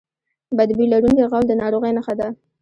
بد بوی لرونکی غول د ناروغۍ نښه ده.